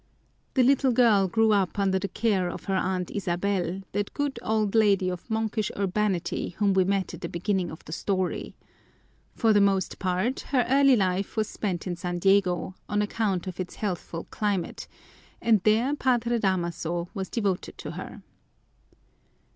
The little girl grew up under the care of her aunt Isabel, that good old lady of monkish urbanity whom we met at the beginning of the story. For the most part, her early life was spent in San Diego, on account of its healthful climate, and there Padre Damaso was devoted to her.